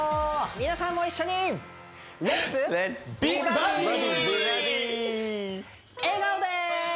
皆さんも一緒に笑顔で！